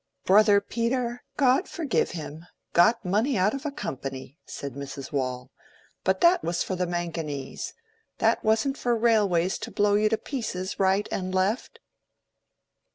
"Brother Peter, God forgive him, got money out of a company," said Mrs. Waule. "But that was for the manganese. That wasn't for railways to blow you to pieces right and left."